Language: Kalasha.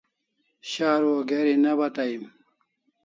Sharu o geri ne bata em